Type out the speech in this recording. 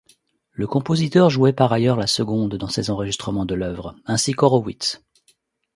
Le compositeur jouait par ailleurs la seconde dans ses enregistrements de l'œuvre, ainsi qu'Horowitz.